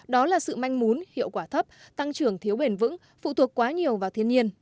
đó là sự manh mún hiệu quả thấp tăng trưởng thiếu bền vệnh